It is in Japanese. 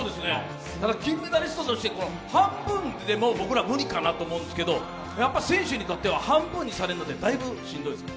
ただ金メダリストとして、半分でも僕ら無理かなと思うんですけどやっぱ選手にとっては半分にされるのってだいぶしんどいですか？